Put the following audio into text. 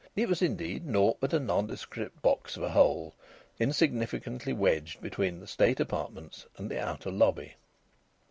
It was indeed naught but a nondescript box of a hole insignificantly wedged between the state apartments and the outer lobby.